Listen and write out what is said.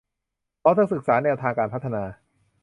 พร้อมทั้งศึกษาแนวทางการพัฒนา